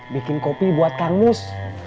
bikin kopi buat karmus